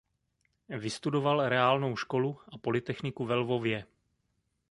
Vystudoval reálnou školu a polytechniku ve Lvově.